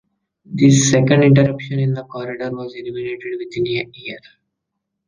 This second interruption in the corridor was eliminated within a year.